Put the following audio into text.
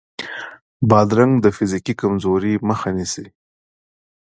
بادرنګ د فزیکي کمزورۍ مخه نیسي.